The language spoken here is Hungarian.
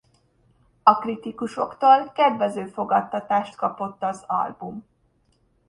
A kritikusoktól kedvező fogadtatást kapott az album.